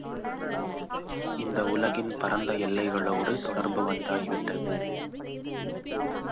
இந்த உலகின் பரந்த எல்லைகளோடு தொடர்பு வந்தாய் விட்டது.